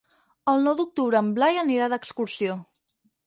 El nou d'octubre en Blai anirà d'excursió.